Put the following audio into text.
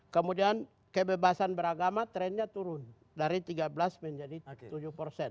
kemudian kebebasan beragama trennya turun dari tiga belas menjadi tujuh persen